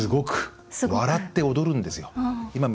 笑って踊るんですよ。